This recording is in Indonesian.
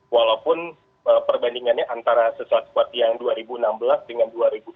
walaupun perbandingannya antara sesaat squad yang dua ribu enam belas dengan dua ribu dua puluh